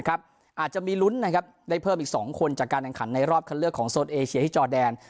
อาจจะมีลุ้นนะครับได้เพิ่มอีก๒คนจากการแข่งขันในรอบคันเลือกของโซนเอเชียที่จอแดน